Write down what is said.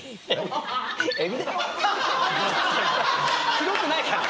黒くないから。